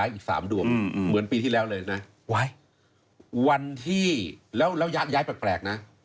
อีก๓ดวงเหมือนปีที่แล้วเลยนะไว้วันที่แล้วย้ายแปลกนะ